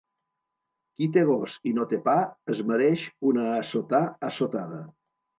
Qui té gos i no té pa, es mereix una «assotà» assotada.